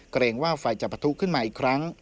เกรงว่าไฟจะประทุขึ้นมาอีกครั้ง